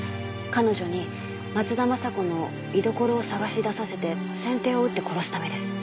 「彼女に松田雅子の居所を捜し出させて先手を打って殺す為です」